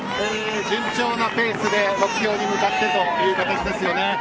順調なペースで目標に向かってという形ですよね。